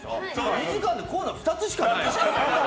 ２時間でコーナー２つしかないの？